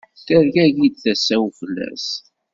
Tergagi-d tasa-w fell-as.